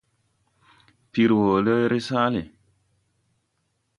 Pir wɔɔre ree saale.